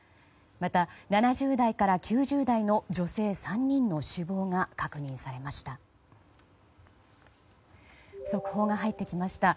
また７０代から９０代の女性３人の死亡が確認されました。